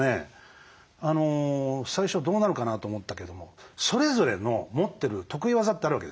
最初はどうなるかなと思ったけどもそれぞれの持ってる得意技ってあるわけですよ。